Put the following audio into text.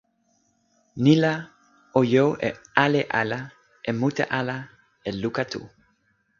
ni la, o jo e ale ala, e mute ala, e luka tu.